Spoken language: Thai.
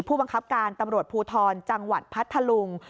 ผู้บังคับการตำรวจภูทรจังหวัดพัทธลุง